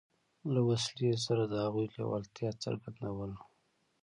له وسلې سره د هغوی لېوالتیا څرګندوله.